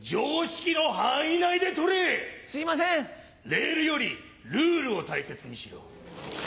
レールよりルールを大切にしろ。